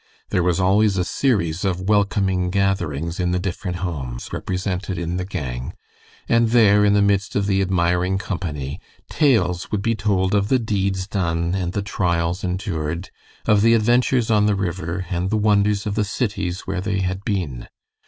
There was always a series of welcoming gatherings in the different homes represented in the gang, and there, in the midst of the admiring company, tales would be told of the deeds done and the trials endured, of the adventures on the river and the wonders of the cities where they had been.